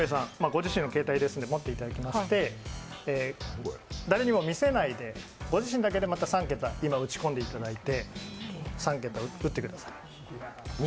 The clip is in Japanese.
ご自身の携帯ですので持っていただいて誰にも見せないで、ご自身だけでまた３桁今、打ち込んでいただいて３桁、打ってください。